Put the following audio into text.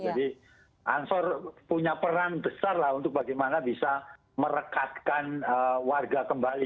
jadi ansor punya peran besar lah untuk bagaimana bisa merekatkan warga kembali